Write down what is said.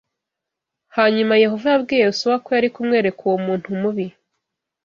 Hanyuma Yehova yabwiye Yosuwa ko yari kumwereka uwo muntu mubi